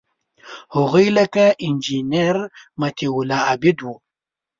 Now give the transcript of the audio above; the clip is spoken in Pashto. هغوی لکه انجینیر مطیع الله عابد وو.